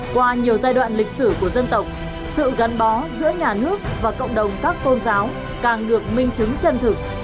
qua nhiều giai đoạn lịch sử của dân tộc sự gắn bó giữa nhà nước và cộng đồng các tôn giáo càng được minh chứng chân thực